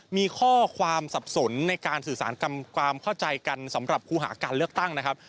มีข้อความสับสนในการสื่อสารความเข้าใจกันสำหรับครูหาการเลือกตั้งนะครับ